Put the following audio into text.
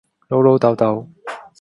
老老竇竇